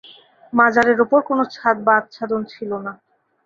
মাজারের ওপর কোনো ছাদ বা আচ্ছাদন ছিল না।